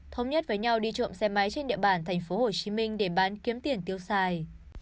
thống nhất với nhau đi trộm xe máy trên địa bàn thành phố hồ chí minh để bán kiếm tiền tiêu xài